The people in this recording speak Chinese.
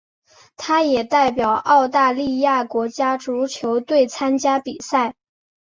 他也代表澳大利亚国家足球队参加比赛。